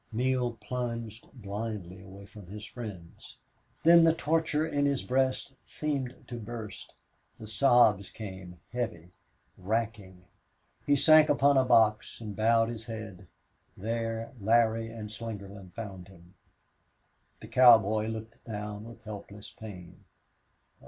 Neale plunged blindly away from his friends. Then the torture in his breast seemed to burst. The sobs came, heavy, racking. He sank upon a box and bowed his head. There Larry and Slingerland found him. The cowboy looked down with helpless pain.